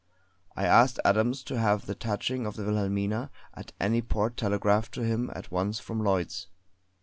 I asked Adams to have the touching of the Wilhelmina at any port telegraphed to him at once from Lloyds.